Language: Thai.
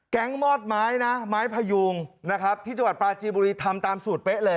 มอดไม้นะไม้พยูงนะครับที่จังหวัดปลาจีบุรีทำตามสูตรเป๊ะเลย